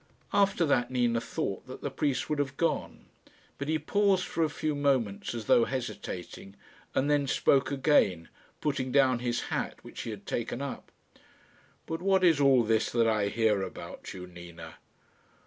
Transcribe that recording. After that Nina thought that the priest would have gone; but he paused for a few moments as though hesitating, and then spoke again, putting down his hat, which he had taken up. "But what is all this that I hear about you, Nina?"